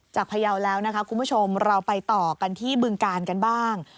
พยาวแล้วนะคะคุณผู้ชมเราไปต่อกันที่บึงกาลกันบ้าง